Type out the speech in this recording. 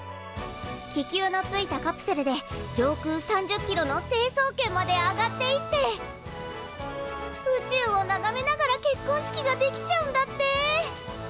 気球のついたカプセルで上空３０キロの成層圏まで上がっていって宇宙をながめながら結婚式ができちゃうんだって！